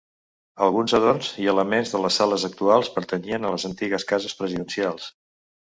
Alguns adorns i elements de les sales actuals pertanyien a les antigues cases presidencials.